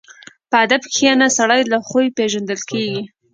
په ادب کښېنه، سړی له خوی پېژندل کېږي.